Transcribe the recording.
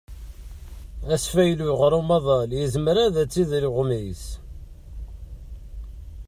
Asfaylu ar umaḍal yezmer ad t-idel uɣmis.